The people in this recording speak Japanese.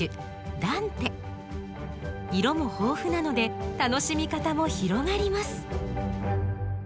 色も豊富なので楽しみ方も広がります。